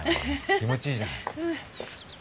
気持ちいいじゃん。